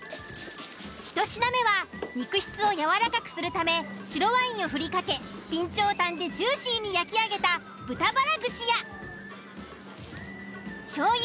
１品目は肉質をやわらかくするため白ワインをふりかけ備長炭でジューシーに焼き上げたしょうゆ